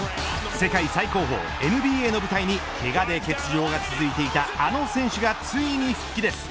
世界最高峰ＮＢＡの舞台にけがで欠場が続いていたあの選手が、ついに復帰です。